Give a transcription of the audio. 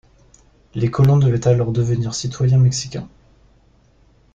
Les colons devaient alors devenir citoyens mexicains.